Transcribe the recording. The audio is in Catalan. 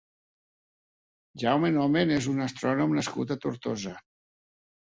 Jaume Nomen és un astrònom nascut a Tortosa.